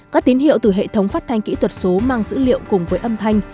các tín hiệu từ hệ thống phát thanh kỹ thuật số mang dữ liệu cùng với âm thanh